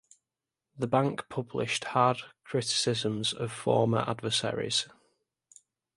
The bank published harsh criticisms of former adversaries.